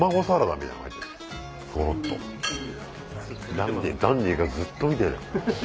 ダンディダンディがずっと見てる。